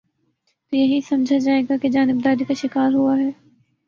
تو یہی سمجھا جائے گا کہ جانب داری کا شکار ہوا ہے۔